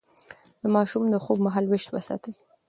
د ماشوم د خوب مهالويش وساتئ.